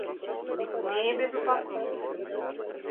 Не е без опасности.